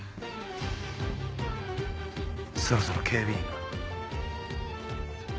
そろそろ警備員が。